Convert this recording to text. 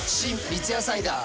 三ツ矢サイダー』